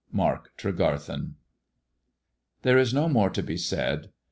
— Mabk Teegaethen." There is no more to be said.